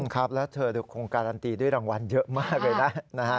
ครับแล้วเธอคงการันตีด้วยรางวัลเยอะมากเลยนะ